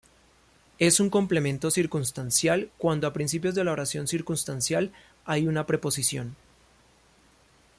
Es un complemento circunstancial cuando a principios de la oración circunstancial hay una preposición.